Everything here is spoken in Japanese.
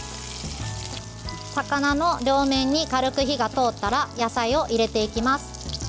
魚の両面に軽く火が通ったら野菜を入れていきます。